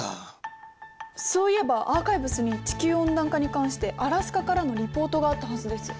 そういえばアーカイブスに地球温暖化に関してアラスカからのリポートがあったはずです。